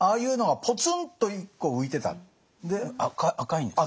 赤いんですか？